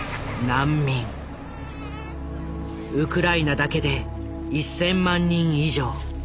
ウクライナだけで１，０００万人以上。